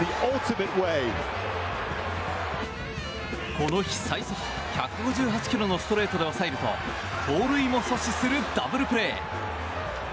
この日最速１５８キロのストレートで抑えると盗塁も阻止するダブルプレー。